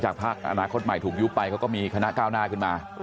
ภาคอนาคตใหม่ถูกยุบไปเขาก็มีคณะก้าวหน้าขึ้นมา